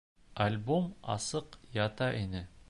Альбом асыҡ ята ине.